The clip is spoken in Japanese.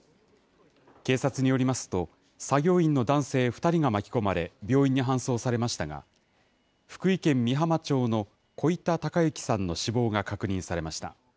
警察によりますと、作業員の男性２人が巻き込まれ病院に搬送されましたが、福井県美浜町の小板孝幸さんの死亡が確認されました。